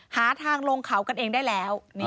หาทางลงเขากันเองได้แล้ว